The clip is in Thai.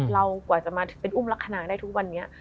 กว่าจะมาเป็นอุ้มลักษณะได้ทุกวันนี้